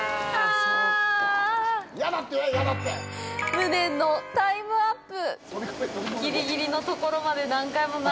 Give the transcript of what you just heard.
無念のタイムアップ。